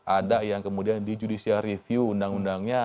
ada yang kemudian di judicial review undang undangnya